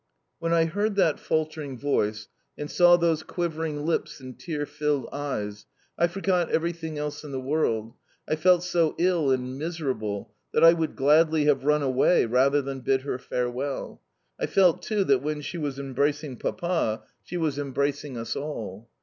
When I heard that faltering voice, and saw those quivering lips and tear filled eyes, I forgot everything else in the world. I felt so ill and miserable that I would gladly have run away rather than bid her farewell. I felt, too, that when she was embracing Papa she was embracing us all.